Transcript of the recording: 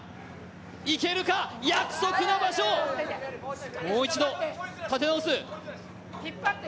行けるか、約束の場所、もう一度立て直す。